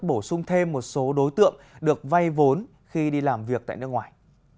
bổ sung thêm một số đối tượng được vay vốn khi đi làm việc tại nước ngoài